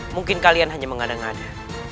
mungkin kalian hanya mengada ngada